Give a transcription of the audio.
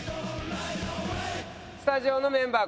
スタジオのメンバー